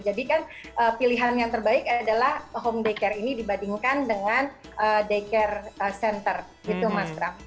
jadi kan pilihan yang terbaik adalah home daycare ini dibandingkan dengan daycare center gitu mas bram